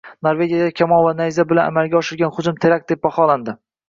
Norvegiyada kamon va nayzalar bilan amalga oshirilgan hujum terakt deb baholandi